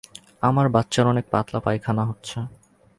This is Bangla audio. আমার বাচ্চার অনেক পাতলা পায়খানা হচ্ছে।